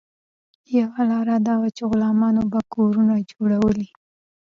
یوه لار دا وه چې غلامانو به کورنۍ جوړولې.